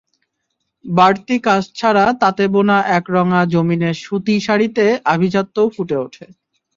বাড়তি কাজ ছাড়া তাঁতে বোনা একরঙা জমিনের সুতি শাড়িতে আভিজাত্যও ফুটে ওঠে।